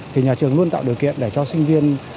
thì nhà trường luôn tạo điều kiện để cho sinh viên